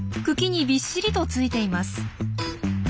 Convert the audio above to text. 茎にびっしりとついています。